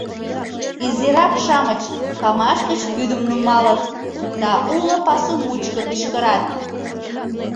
Изирак-шамыч памаш гыч вӱдым нумалыт да уло пасу мучко кычкырат: